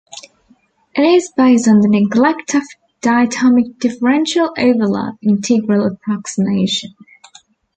It is based on the Neglect of Diatomic Differential Overlap integral approximation.